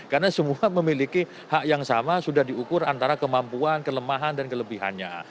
karena semua memiliki hak yang sama sudah diukur antara kemampuan kelemahan dan kelebihannya